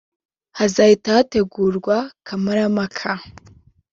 hazahita hategurwa Kamarampaka